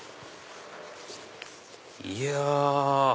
いや。